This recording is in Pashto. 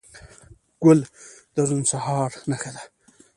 ګل د روڼ سهار نښه ده.